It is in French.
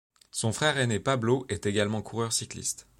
Son frère aîné Pablo est également coureur cycliste.